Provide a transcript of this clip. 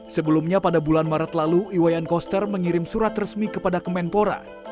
sebelumnya pada bulan maret lalu iwayan koster mengirim surat resmi kepada kemenpora